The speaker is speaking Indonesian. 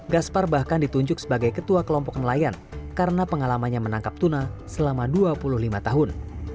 gaspar bahkan ditunjuk sebagai ketua kelompok nelayan karena pengalamannya menangkap tuna selama dua puluh lima tahun